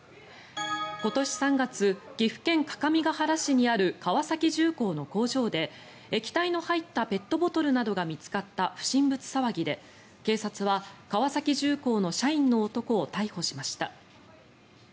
今年３月、岐阜県各務原市にある川崎重工の工場で液体の入ったペットボトルなどが見つかった不審物騒ぎで警察は川崎重工の社員の男を逮捕しました。